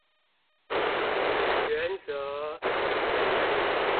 原則